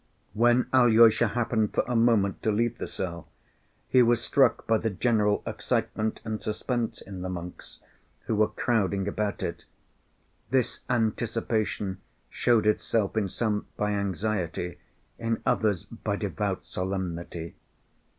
When Alyosha happened for a moment to leave the cell, he was struck by the general excitement and suspense in the monks who were crowding about it. This anticipation showed itself in some by anxiety, in others by devout solemnity.